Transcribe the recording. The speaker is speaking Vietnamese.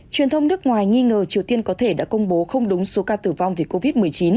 truyền thông nước ngoài nghi ngờ triều tiên có thể đã công bố không đúng số ca tử vong vì covid một mươi chín